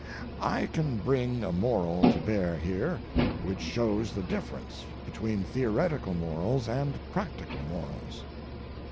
I can bring a moral to bear here which shows the difference between theoretical morals and practical morals.